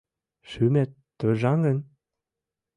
Шӱмет торжаҥын?